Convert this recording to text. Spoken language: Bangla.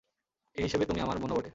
এ হিসেবে তুমি আমার বোনও বটে।